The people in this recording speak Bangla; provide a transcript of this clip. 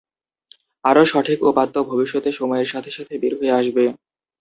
আরো সঠিক উপাত্ত ভবিষ্যতে সময়ের সাথে সাথে বের হয়ে আসবে।